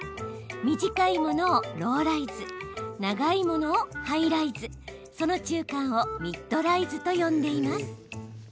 短いものをローライズ長いものをハイライズその中間をミッドライズと呼んでいます。